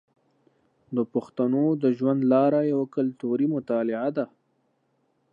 د پښتنو د ژوند لاره یوه کلتوري مطالعه ده.